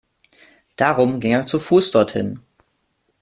Darum ging er zu Fuß dorthin.